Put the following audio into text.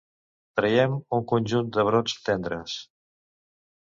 Traiem un conjunt de brots tendres.